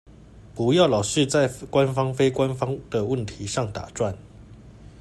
不要老是在官方非官方的問題上打轉